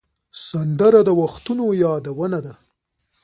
سندره د وختونو یادونه ده